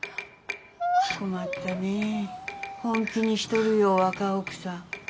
困ったねぇ本気にしとるよ若奥さん。